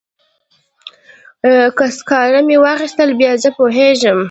که سکاره مې واخیستل بیا زه پوهیږم.